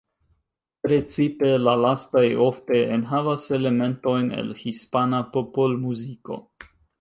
Precipe la lastaj ofte enhavas elementojn el hispana popolmuziko.